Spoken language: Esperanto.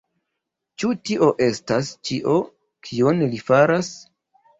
Ĉu tio estas ĉio, kion li faras?